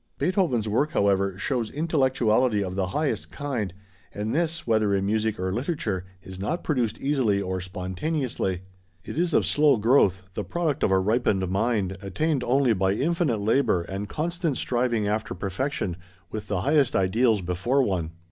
Beethoven's work however, shows intellectuality of the highest kind, and this, whether in music or literature, is not produced easily or spontaneously; it is of slow growth, the product of a ripened mind, attained only by infinite labor and constant striving after perfection, with the highest ideals before one.